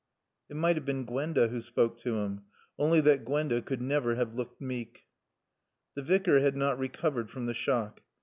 It might have been Gwenda who spoke to him, only that Gwenda could never have looked meek. The Vicar had not recovered from the shock.